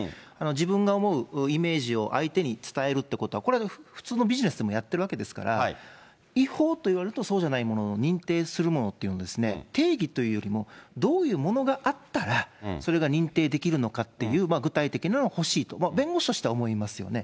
自分が思うイメージを相手に伝えるってことは、これは普通のビジネスでもやってるわけですから、違法といわれるものとそうじゃないもの、認定するものっていうのを定義というよりも、どういうものがあったらそれが認定できるのかっていう具体的なものが欲しいと、弁護士としては思いますよね。